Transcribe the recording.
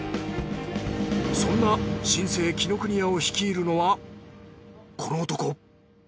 そんな新生紀ノ国屋を率いるのはこの男。